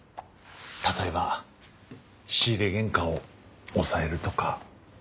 例えば仕入れ原価を抑えるとか。